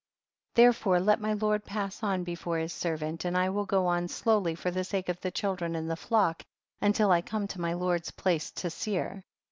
69. Therefore let my lord pass on before his servant, and I will go on slowly for the sake of the children and the flock, until I come to my lord's place to Seir.